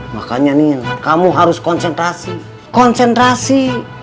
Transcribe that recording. makanya nih kamu harus konsentrasi konsentrasi